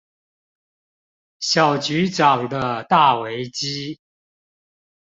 小局長的大危機